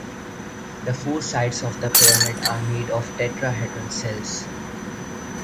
The four "sides" of the pyramid are made of tetrahedron cells.